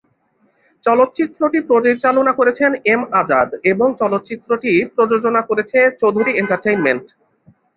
চলচ্চিত্রটি পরিচালনা করেছেন এম আজাদ এবং চলচ্চিত্রটি প্রযোজনা করেছে চৌধুরী এন্টারটেইনমেন্ট।